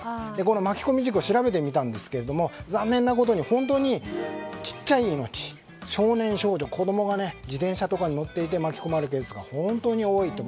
巻き込み事故を調べてみたんですが残念なことに、本当に小さい命少年少女、子供が自転車とかに乗っていて巻き込まれるケースが本当に多いと。